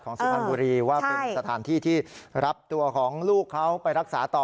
สุพรรณบุรีว่าเป็นสถานที่ที่รับตัวของลูกเขาไปรักษาต่อ